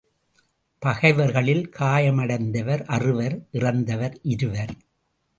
பகைவர்களில் காயமடைந்தவர் அறுவர் இறந்தவர் இருவர்.